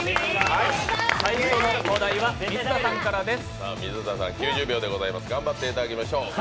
最初のお題は水田さんからです。